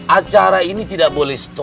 acara ini tidak boleh stop